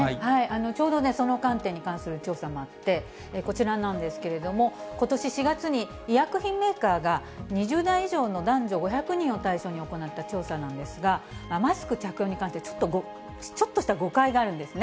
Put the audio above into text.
ちょうどその観点に関する調査もあって、こちらなんですけれども、ことし４月に、医薬品メーカーが、２０代以上の男女５００人を対象に行った調査なんですが、マスク着用に関してちょっとした誤解があるんですね。